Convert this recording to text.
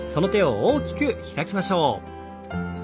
大きく開きましょう。